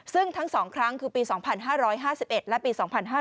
ซึ่งทั้ง๒ครั้งคือปี๒๕๕๑และปี๒๕๕๙